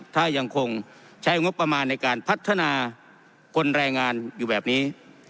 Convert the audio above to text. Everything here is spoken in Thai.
ถ้ายังคงใช้งบประมาณในการพัฒนาคนแรงงานอยู่แบบนี้